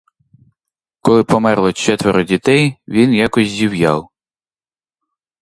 Коли померло четверо дітей, він якось зів'яв.